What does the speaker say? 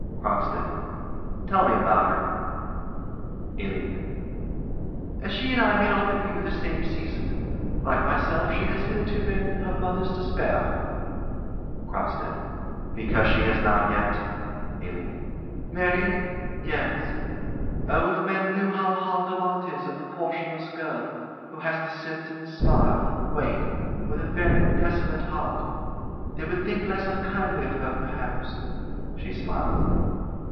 CROCKSTEAD. Tell me about her. ALINE. She and I made our debut the same season. Like myself she has hitherto been her mother's despair. CROCKSTEAD. Because she has not yet ALINE. Married yes. Oh, if men knew how hard the lot is of the portionless girl, who has to sit, and smile, and wait, with a very desolate heart they would think less unkindly of her, perhaps [_She smiles.